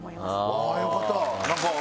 あぁよかった！